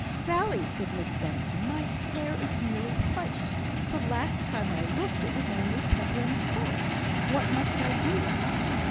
"Sally!" said Miss Benson, "my hair is nearly white. The last time I looked it was only pepper and salt. What must I do?"